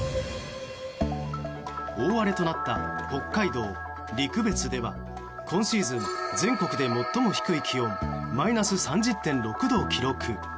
大荒れとなった北海道陸別では今シーズン全国で最も低い気温マイナス３０．６度を記録。